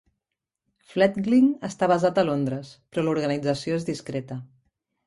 Fledg'ling està basat a Londres, però l'organització és discreta.